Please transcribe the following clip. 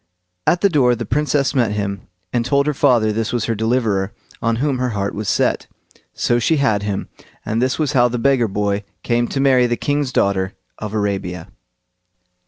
At the door the Princess met him, and told her father this was her deliverer, on whom her heart was set. So she had him; and this was how the beggar boy came to marry the king's daughter of Arabia.